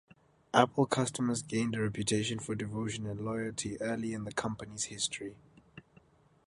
Apple customers gained a reputation for devotion and loyalty early in the company's history.